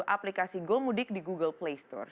aplikasi gomudik di google play store